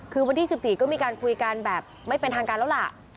คือวันที่๑๔ก็มีการคุยกันแบบไม่เป็นทางการแล้วล่ะ